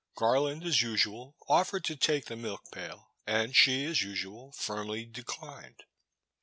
Garland, as usual, offered to take the milk pail, and she, as usual, firmly declined.